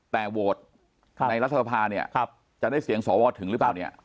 แต่โหวตในรัฐภาพจะได้เสียงสวทรถึงหรือเปล่า